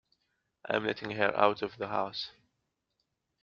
I'm letting her out of the house.